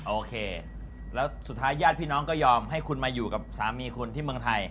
โอเคแล้วสุดท้ายญาติพี่น้องก็ยอมให้คุณมาอยู่กับสามีคุณที่เมืองไทย